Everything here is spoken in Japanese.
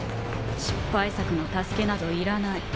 失敗作の助けなどいらない。